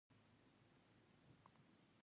هغه د خپلو تجربو په مرسته ګټه کول غوښتل.